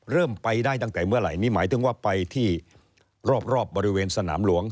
เริ่มไปได้ตั้งแต่เมื่อไหร่นี่หมายถึงว่าไปที่รอบบริเวณสนามหลวง